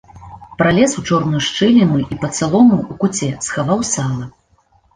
Пралез у чорную шчыліну і пад салому ў куце схаваў сала.